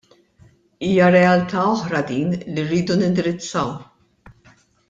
Hija realtà oħra din li rridu nindirizzaw.